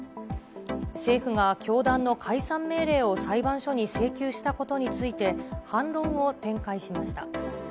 政府が教団の解散命令を裁判所に請求したことについて、反論を展開しました。